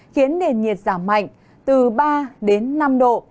khiến nền nhiệt giảm mạnh từ ba đến năm độ